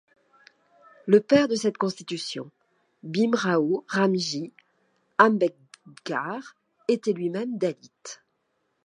Le père de cette constitution, Bhimrao Ramji Ambedkar, était lui-même dalit.